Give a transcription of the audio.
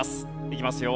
いきますよ。